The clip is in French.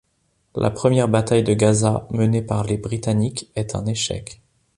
La première bataille de Gaza menée par les Britanniques est un échec.